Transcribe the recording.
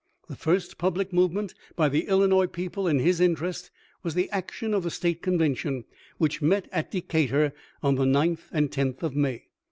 The first public movement by the Illinois people in his interest was the action of the State convention, which met at Decatur on the 9th and lOth of May.